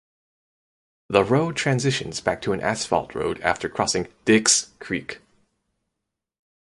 The road transitions back to an asphalt road after crossing Dicks Creek.